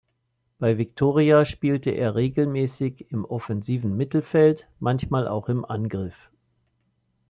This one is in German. Bei Viktoria spielte er regelmäßig im offensiven Mittelfeld, manchmal auch im Angriff.